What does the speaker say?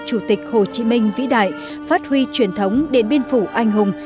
chủ tịch hồ chí minh vĩ đại phát huy truyền thống điện biên phủ anh hùng